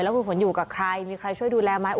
แล้วครูฝนอยู่กับใครมีใครช่วยดูแลมั้ย